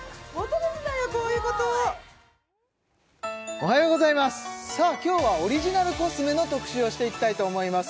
おはようございますさあ今日はオリジナルコスメの特集をしていきたいと思います